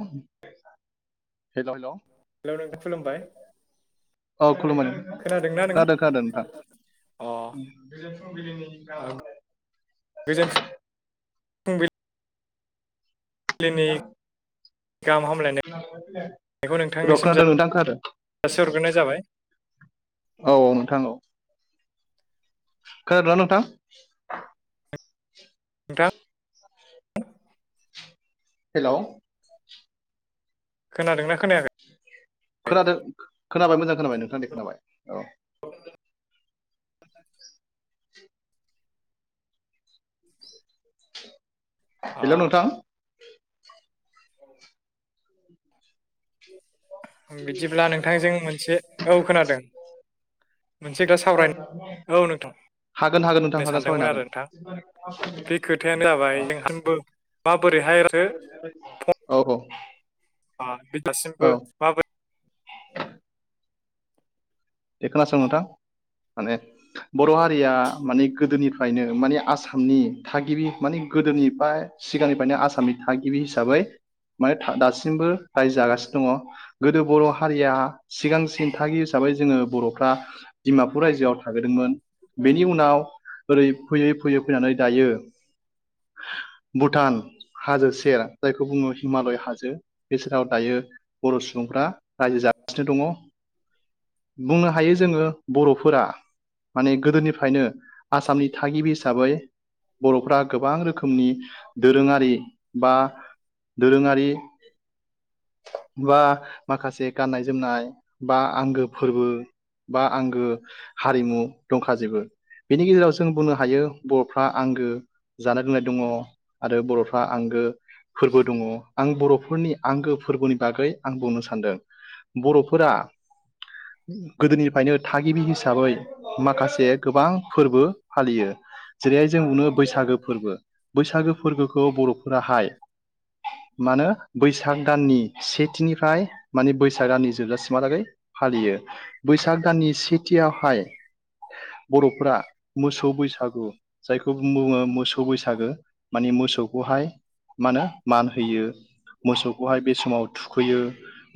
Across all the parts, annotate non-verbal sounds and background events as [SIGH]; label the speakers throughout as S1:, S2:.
S1: हेल' hello
S2: hello नोंथ खुलुमबाय।
S1: औ खुलुमबाय
S2: खोनादोंना नोंथां
S1: खादो खादो नोंथां।
S2: अ
S1: [UNINTELLIGIBLE] फुंबिलिनि
S2: आ,
S1: गाम हामनाय
S2: गोजोन फु लिनि गाहाम हामलाय
S1: र खोनादों नोंथां खोनादो।
S2: जासिहरग्रोनाय जाबाय
S1: औ औ नोंथां औ। खोनादना नोंथां?
S2: दा
S1: हेल'
S2: खोनादोंना खोनायाखै?
S1: खोनादो खोनाबाय मोजां खोनाबाय नोंथां दे खोनाबाय औ।
S2: अ
S1: हेल' नोंथां।
S2: बिदिब्ला नोंथांजों मोनसे औ खोनादों। मोनसेथा सावरायनो औ नोंथां।
S1: हागोन हागोन नोंथां
S2: होननो
S1: हागोन
S2: सानदोंमोन
S1: सावरायनो
S2: आरो नोंथां
S1: हागोन।
S2: बे खोथायानो जाबाय जोंहांबो माबोरैहाय राथो
S1: औ औ।
S2: बे दासिमबो
S1: औ
S2: माबोरै
S1: बे खोनासं नोंथां माने बर' हारिया माने गोदोनिफ फ्रायनो मानि आसामनि थागिबि माने गोदोनिफ्राय सिगांनिफ्रायनो आसामनि थागिबि हि साबै माने था दासिमबो रायजो जागासिनो दङ। गोदो बर' हारिया सिगां सिन थागि हिसाबै जोङो बर'फ्रा दिडमापुर रायजोआव थागोदोंमोन बेनि उनाव ओरै फैयै फैयै फैनानै दायो भुटान हाजो सेर जायखौ बुङो हिमालय हाजो बे सेराव दायो बर' सुबुंफ्रा रायजो जागासिनो दङ। बुंनो हायो जोङो बर'फोरा माने गोदोनिफ्रायनो आसामनि थागिबि हिसाबै बर'फ्रा गोबां रोखोमनि दोरोङारि बा दोरोङारि बा माखासे गाननाय जोमनाय बा आंगो फोरबो। बा आंगो हारिमु दंखाजोबो बेनि गेजेराव जों बुंनो हायो बर'फ्रा आंगो जानाय लोंनाय दङ आरो बर'फ्रा आंगो फोरबो दङ आं बर'फोरनि आंगो फोरबोनि बागै आं बुंनो सानदों। बर'फोरा गोदोनिफ्रायनो थागिबि हिसाबै माखासे गोबां फोरबो फालियो। जेरैहाय जों [UNINTELLIGIBLE] बै सागो फोरबो बैसागो फोरबोखौ बर'फोराहाय मानो बैसाग दाननि सेथिनिफ्राय माने बैसाग दाननि जोबजासिम मालागै फालियो बैसाग दाननि सेथियावहाय बर'फोरा मोसौ बैसागु जायखौ बुङो मोसौ बैसागो। माने मोसौखौहाय मा होनो मान होयो मोसौखौहाय बे समाव थुखैयो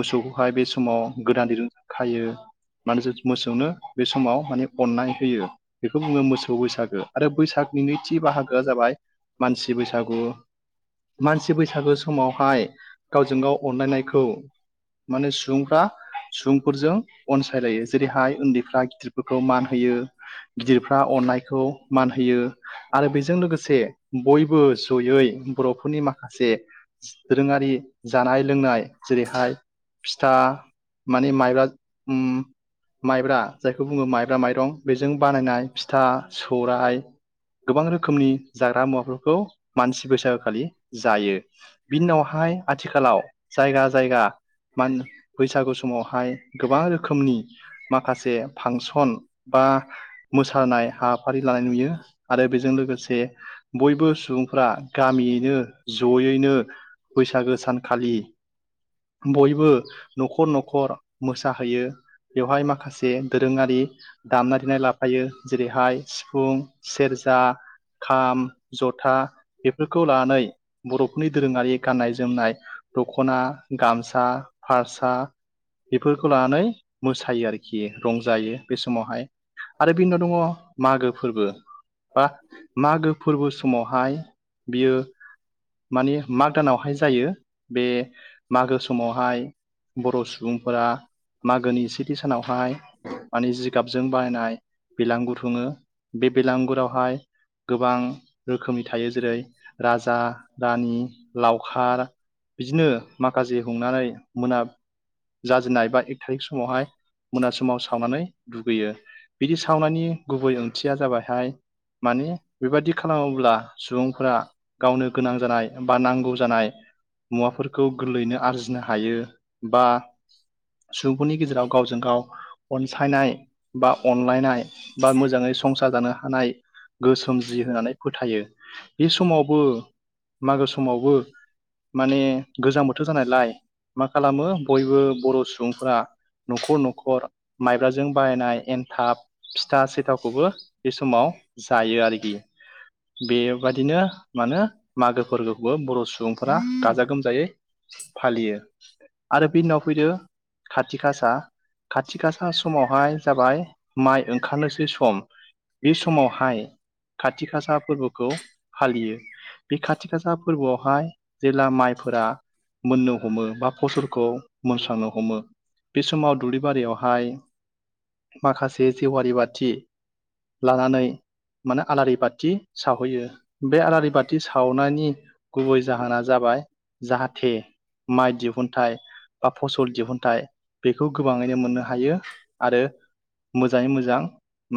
S1: मोसौखौ बेहाय बे समाव गोदान दिरुंजों खायो। माने मोसौनो बे समाव माने अननाय होयो बेखौ बुङो मोसौ बैसागो। आरो बैसागनि नैथि बाहागोआ जाबाय मानसि बैसागु। मानसि बैसागो समावहाय गावजों गाव अनलायनायखौ माने सुबुंफ्रा सुबुंफोरजों अनसायलायो जेरैहाय उन्दैफ्रा गिदिरफोरखौ मान होयो। गिदिरफ्रा अननायखौ मान होयो। आरो बेजों लोगोसे बयबो जयै बर'फोरनि माखासे दोरोङारि जानाय लोंनाय जेरैहाय फिथा माने माइ बा उम माइब्रा जायखौ बुङो माइब्रा माइरं बेजों बानायनाय फिथा सौराइ गोबां रोखोमनि जाग्रा मुवाफोरखौ मानसि बैसागोखालि जायो। बिनि उनावहाय आथिखालाव जायगा जायगा मानसि बैसागु समावहाय गोबां रोखोमनि माखासे फांसन बा मोसानाय हाबाफारि लानाय नुयो आरो बेजों लोगोसे बयबो सुबुंफोरा‌ गामियैनो जयैनो बैसागो सान खालि बयबो न'खर न'खर मोसाहैयो। बेवहाय माखासे दोरोङारि दामनाय देनाय लाफायो जेरैहाय सिफुं सेरजा खाम जथा बेफोरखौ लानानै बर'फोरनि दोरोङारि गाननाय जोमनाय दख'ना गामसा फारसा बेफोरखौ लानानै मोसायो आरोखि रंजायो बे समावहाय। आरो बिनि उनाव दङ मागो फोरबो। बा मागो फोरबो समावहाय बियो मानि माग दानावहाय जायो बे मागो समावहाय बर' सुबुं बुंफोरा मागोनि सेथि सानावहाय माने जिगाबजों बायनाय बेलांगुर हुङो बे बेलांगुरावहाय गोबां रोखोमनि थायो जेरै राजा रानि लावखार बिदिनो माखासे हमनानै मोना जाजेननाय बा एक थारिक समावहाय मोना समाव सावनानै दुगैयो बिदि सावनायनि गुबै ओंथिया जाबायहाय मानि बेबादि खालामोब्ला सुबुंफोरा गावनो गोनां जानाय बा नांगौ जानाय मुवाफोरखौ गोरलैयैनो आरजिनो हायो। बा सुबुंफोरनि गेजेराव गावजों गाव अनसायनाय बा अनलायनाय बा मोजाङै संसार जानो हानाय गोसोम जि होनानै फोथायो बे समावबो मागो समावबो माने गोजां बोथोर जानायलाय मा खालामो बयबो बर' सुबुंफोरा न'खर न'खर माइब्राजों बाहायनाय एनथाब फिथा सेथावखौबो बे समाव जायो आरगि बेबाय दिनो मा होनो मागो फोरबोखौबो बर' सुबुंफोरा गाजा गोमजायै फालियो आरो बे उनाव फैदो खाथि गासा। खाथि गासा समावहाय जाबाय माइ ओंखारनोसै सम। बे समावहाय खाथि खाासा फोरबोखौ फालियो बे खाथि खाासा फोरबोआवहाय जेला माइफोरा मोननो हमो बा फसल खौ मोसानो हमो बे समाव दुब्लि बारियावहाय माखासे जिवारि बाथि लानानै माने आलारि बाथि सावहैयो बे आलारि बाथि सावनायनि गुबै जाहोना जाबाय जाहाथे माइ दिहुन थाइ बा फसल दिहुनथाइ बेखौ गोबाङैनो मोननो हायो आरो मोजाङै मोजां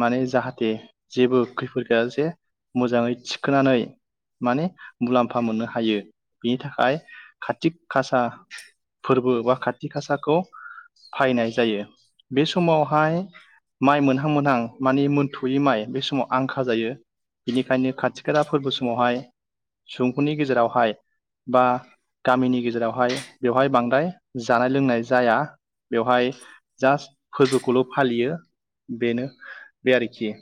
S1: माने जाहाथे जेबो खैफोद गैया जासे मोजाङै थिखोनानै माने मुलाम्फा मोननो हायो बिनि थाखाय काटिक कासा फोरबो बा खाथि खासाखौ फायनाय जायो। बे समावहाय माइ मोनहां मोन हां माने मोनथ'यै माइ बे समाव आंखा जायो बेनिखायनो खाथि खाला फोरबो समावहाय सुबुंफोरनि गेजेरावहाय बा गामिनि गेजेरावहाय बेवहाय बांद्राय जानाय लोंनाय जाया बेवहाय जास्ट फोरबोखौल' फालियो बेनो बे आरोखि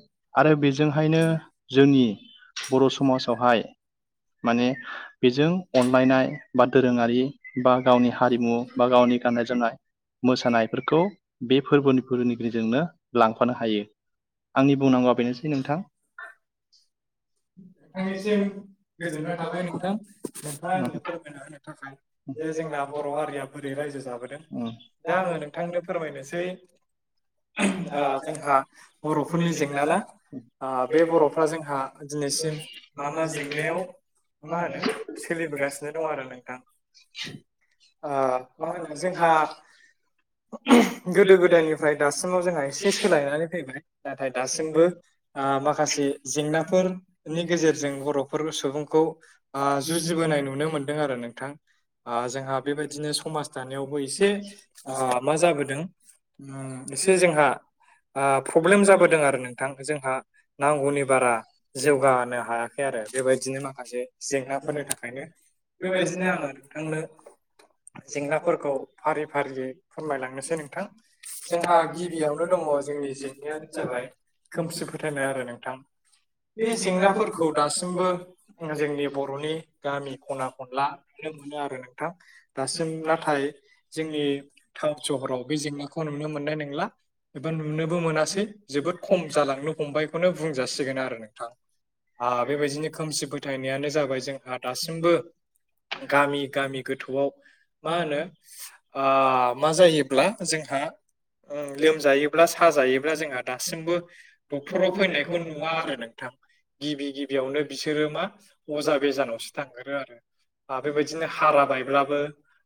S1: आरो बेजोंहायनो जोंनि बर' समाजावहाय माने बेजों अनलायनाय बा दोरोङारि बा गावनि हारिमु बा गावनि गाननाय जोमनाय मोसानायफोरखौ बे फोरबोनि फोरोंनिगिरिजोंनो लांफानो हायो आंनि बुंनांगौआ बेनोसै नोंथां
S2: नोंथांनिसिम गोजोननाय थाबाय नोंथां। नोंथाङा
S1: नोंथां
S2: आंनो फोरमायना होनो थाखाय जे जोंना बर' हारिया बोरै रायजो जाबोदों। दा आङो नोंथांनो फोरमायनोसै
S1: [INAUDIBLE]
S2: ओ जोंहा बर'फोरनि जेंना ना ओ बे बर' फ्रा जोंहा दिनैसिम मा मा जेंनायाव मा होनो सोलिबोगासिनो दं आरो नोंथां
S1: [INAUDIBLE]
S2: मा होनो जोंहा गोदो गोदायनिफ्राय दासिमाव जोंहा एसे सोलायनानै फैबाय नाथाय दासिमबो ओ माखासे जेंनाफोरनि गेजेरजों बर'फोर सुबुंखौ जुजिबोनाय नुनो मोन मोनदों आरो नोंथां जोंहा बेबायदिनो समाज दानायावबो एसे मा जाबोदों एसे जोंहा ओ प्रब्लेम जाबोदों आरो नोंथां जोंहा नांगौनि बारा जौगानो हायाखै आरो बेबायदिनो माखासे जेंनाफोरनि थाखायनो बेबायदिनो आङो नोंथांनो जेंनाफोरखौ फारि फारियै फोरमायलांनोसै नोंथां जोंहा गिबियावनो दंङ जोंनि जेंनायानो जाबाय खोमसि फोथायनाय आरो नोंथां बे जेंनाफोरखौ दासिमबो जोंनि बर'नि गामि खना-खनला नुनो मोनो आरो नों- दासिम नाथाय जोंनि टाउन सहराव बे जेंना खौ नुनो मोननाय नंला एबा नुनोबो मोनासै जोबोद खम जालांनो हमबायखौनो बुं जासिगोन आरो नोंथां बेबायदिनो आ खोमसि फोथायनायानो जाबाय जोंहा दासिमबो गामि गामि गोथौआव मा होनो ओ मा जायोब्ला जोंहा
S1: लोमजायोब्ला साजायोब्ला दासिमबो डक्टराव फैनायखौ नुवा आरो
S2: नोंथां गिबि गिबियावनो बिसोरो मा अजा बेजानावसो थांग्रोयो आरो ओ बेबायदिनो हारा बायब्लाबो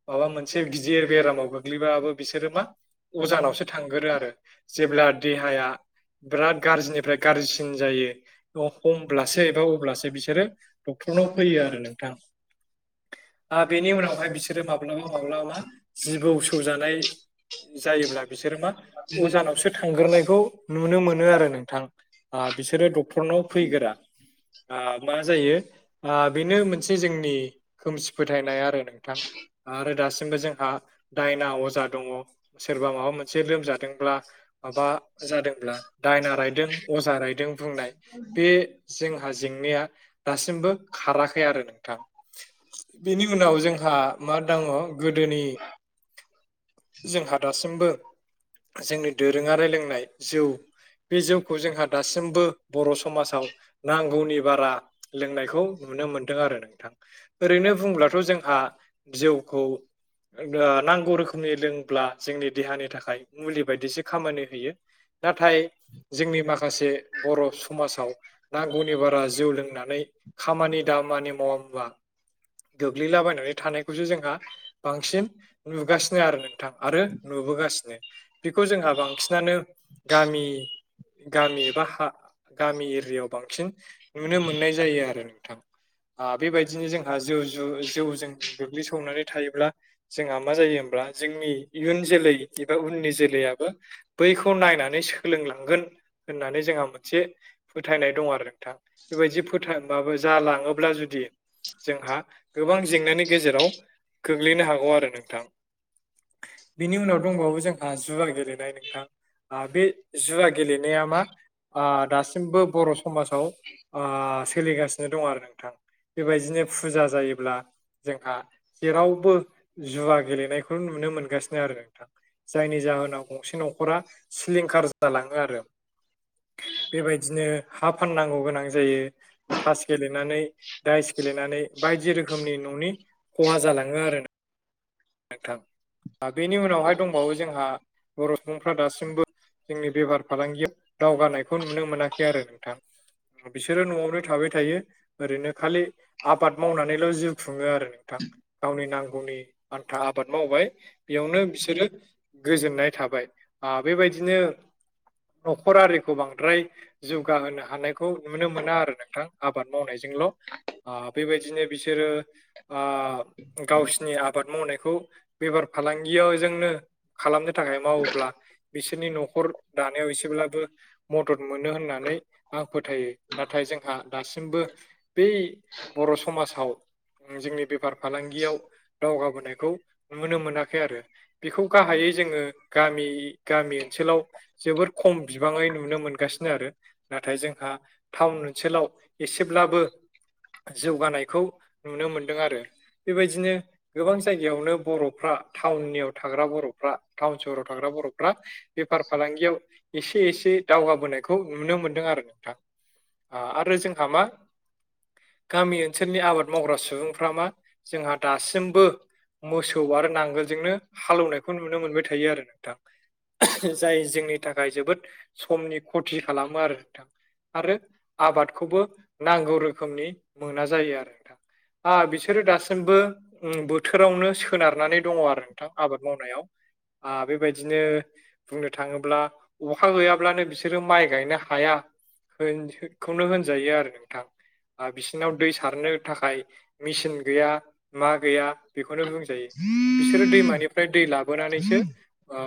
S2: माबा मोनसे गिदिर बेरामाव गोग्लैबाबो बिसोरो मा अजानावसो थांगोरो आरो जेब्ला देहाया बिराद गाज्रिनिफ्राय गाज्रिसिन जायो। हमब्लासो एबा अब्लासो बिसोरो डक्टरनाव फैयो आरो नोंथां। ओ बेनि उनावहाय बिसोरो माब्लाबा माब्लाबा मा जिबौ सौजानाय जायोब्ला बिसोरो मा अजानावसो थांग्रोनायखौ नुनो मोनो आरो नोंथां। आ बिसोरो डक्टरनाव फैगोरा आ मा जायो बेनो मोनसे जोंनि खोमसि फोथायनाय आरो। नोंथां आरो दासिमबो जोंहा दायना अजा दंङ सोरबा माबा मोनसे लोमजादोंब्ला माबा जादोंब्ला दायना रायदों अजा रायदों बुंनाय बे जोंहा जेंनाया दासिमबो खाराखै आरो नोंथां। बेनि उनाव जोंहा मा दंङ गोदोनि जोंहा दासिमबो जोंनि दोरोंङारि लोंनाय जौ बे जौखौ खौ जोंहा दासिमबो बर' समाजाव नांगौनि बारा लोंनायखौ नुनो मोनदों आरो नोंथां। ओरैनो बुंब्लाथ' जोंहा जिउखौ नांगौ रोखोमनि लोंब्ला जोंनि देहानि थाखाय मुलि बायदिसो खामानि होयो। नाथाय जोंनि माखासे बर' समाजाव नांगौनि बारा जौ लोंनानै खामानि दामानि मावाबा गोग्लैलाबायनानै थानायखौसो जोंहा बांसिन नुगासिनो आरो नोंथां आरो नुबोगासिनो। बेखौ जोंहा बांसिनानो गामि गामि एबा हा गामि एरियायाव बांसिन नुनो मोननाय जायो आरो नोंथां। आ - बेबायदिनो जोंहा जौ जु जौजों गोग्लैसोनानै थायोब्ला जोंहा मा जायो होमब्ला जोंनि इयुन जोलै एबा उननि जोलैयाबो बैखौ नायनानै सोलोंलांगोन होननानै जोंहा मोनसे फोथायनाय दं आरो नोंथां बेबायदि फो- माबा जालांङोब्ला जुदि जोंहा गोबां जेंनानि गेजेराव गोग्लैनो हागौ आरो नोंथां। बिनि उनाव दंबावो जोंहा जुवा गेलेनाय नोंथां आ बे जुवा गेलेनाया मा आ दासिमबो आ बर' समाव ओ सोलिगासिनो दं आरो नोंथां बेबायदिनो फुजा जायोब्ला जोंहा जेरावबो जुवा गेलेनायखौ नुनो मोनगासिनो आरो नोंथां। जायनि जाहोनाव गंसे न'खरा सिलिंखार जालांङो आरो। बेबायदिनो हा फाननांगौ गोनां जायो। थास गेलेनानै दाइस गेलेनानै बायदि रोखोमनि न'नि खहा जालाङो आरो ना। नोंथां ओ बेनि उनावहाय दंबावो जोंहा बर' सुबुंफ्रा दासिमबो जोंनि बेफार फालांगियाव दावगानायखौ नुनो मोनाखै आरो नोंथां। बिसोरो न'आवनो थाबाय थायो ओरैनो खालि आबाद मावनानैल' जि खुङो आरो नोंथां गावनि नांगौनि आन्था आबाद मावबाय बेयावनो बिसोरो गोजोननाय थाबाय बेबायदिनो न'खर आरिखौ बांद्राय जौगाहोनो हानायखौ नुनो मोना आरो नोंथां आबाद मावनायजोंल' बेबायदिनो बिसोरो आह गावसिनि आ आबाद मावनायखौ बेफार फालांगियाव जोंनो खालामनो थाखाय मावोब्ला बिसोरनि न'खर दानायाव एसेब्लाबो मदद मोनो होननानै आं फोथायो नाथाय जोंहा दासिमबो बै बर' समाजाव जोंनि बेफार फालांगियाव दावगाबोनायखौ नुनो मोनाखै आरो। बेखौ गाहायै जोङो गामि गामि ओनसोलाव जोबोर खम बिबाङै नुनो मोनगासिनो आरो। नाथाय जोंहा टाउन ओनसोलाव एसेब्लाबो जौगानायखौ नुनो मोनदों आरो बेबायदिनो गोबां जायगायावनो बर'फ्रा टाउननियाव थाग्रा बर'फ्रा टाउन सहराव थाग्रा बर'फ्रा बेफार फालांगियाव एसे एसे दावगाबोनायखौ नुनो मोनदों आरो नोंथां। आ आरो जोंहा मा गामि ओनसोलनि आबाद मावग्रा सुबुंफ्रा मा जोंहा दासिम बो मोसौ आरो नांगोलजोंनो हालौनायखौ नुनो मोनबाय थायो आरो नोंथां। जाय जोंनि थाखाय जोबोद समनि खथि खालामो आरो नोंथां। आरो आबादखौबो नांगौ रोखोमनि मोना जायो आरो नोंथां। आ बिसोरो दासिमबो बोथोरावनो सोनारनानै दङ आरो नोंथां आबाद मावनायाव आ बेबायदिनो बुंनो थाङोब्ला अखा गैयाब्लानो बिसोरो माइ गायनो हाया। खौनो होनजायो आरो नोंथां। बिसिनाव दै सारनो थाखाय मेचिन गैया। मा गैया बेखौनो बुंजायो बिसोरो दैमानिफ्राय दै लाबोनानैसो ओ